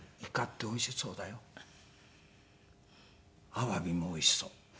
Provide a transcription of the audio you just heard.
「アワビもおいしそう」。